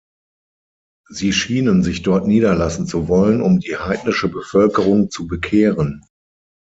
Sie schienen sich dort niederlassen zu wollen, um die heidnische Bevölkerung zu bekehren.